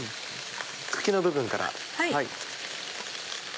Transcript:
茎の部分から。